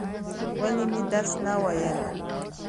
ولې مې درس نه وایل؟